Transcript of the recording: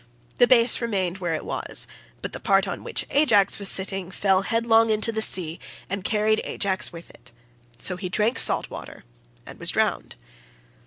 The base remained where it was, but the part on which Ajax was sitting fell headlong into the sea and carried Ajax with it; so he drank salt water and was drowned.